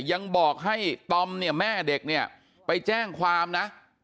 ยังบอกให้ตอมเนี่ยแม่เด็กเนี่ยไปแจ้งความนะ